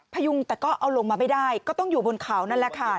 พยุงแต่ก็เอาลงมาไม่ได้ก็ต้องอยู่บนเขานั่นแหละค่ะ